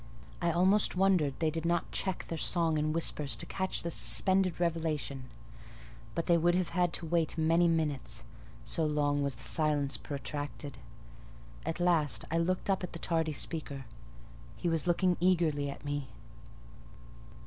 I almost wondered they did not check their songs and whispers to catch the suspended revelation; but they would have had to wait many minutes—so long was the silence protracted. At last I looked up at the tardy speaker: he was looking eagerly at me.